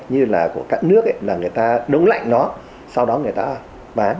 như là của các nước ấy là người ta nấu lạnh nó sau đó người ta bán